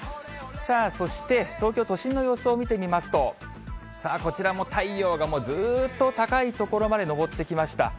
さあ、そして東京都心の様子を見てみますと、こちらも太陽がもうずっと高い所まで昇ってきました。